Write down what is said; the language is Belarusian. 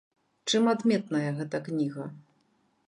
Чым адметная гэта кніга?